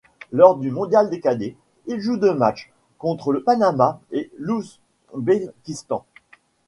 Lors du mondial des cadets, il joue deux matchs, contre le Panama et l'Ouzbékistan.